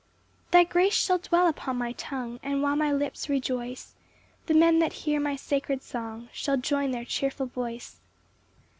3 Thy grace shall dwell upon my tongue; And while my lips rejoice, The men that hear my sacred song Shall join their cheerful voice.